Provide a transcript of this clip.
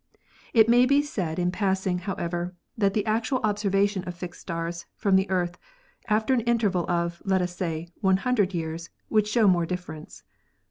It may be said in passing, how ever, that the actual observation of fixed stars from the Earth after an interval of, let us say, 100 years, would show more difference.